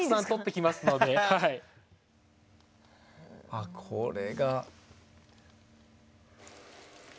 あっこれが。